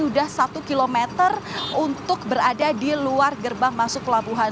sudah satu km untuk berada di luar gerbang masuk pelabuhan